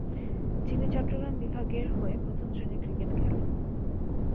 যিনি চট্টগ্রাম বিভাগের হয়ে প্রথম শ্রেণির ক্রিকেট খেলেন।